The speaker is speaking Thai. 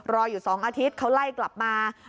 รออยู่๒อาทิตย์เขาไล่กลับมา